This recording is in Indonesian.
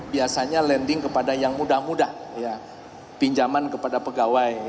biasanya lending kepada yang mudah mudah pinjaman kepada pegawai